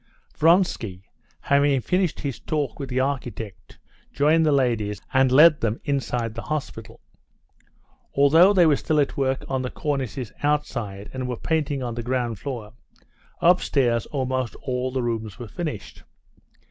Vronsky, having finished his talk with the architect, joined the ladies, and led them inside the hospital. Although they were still at work on the cornices outside and were painting on the ground floor, upstairs almost all the rooms were finished.